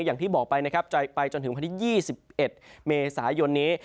อย่างที่บอกไปนะครับจะไปจนถึงวันที่๒๑เมษายนนี้